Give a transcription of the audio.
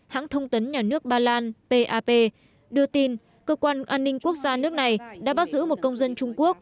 hãng thông tấn nhà nước ba lan pap đưa tin cơ quan an ninh quốc gia nước này đã bắt giữ một công dân trung quốc